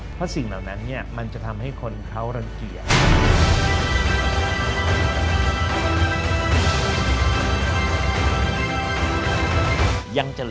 เพราะสิ่งเหล่านั้นมันจะทำให้คนเขารังเกียจ